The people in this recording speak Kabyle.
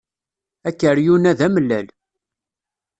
Akeryun-a d amellal.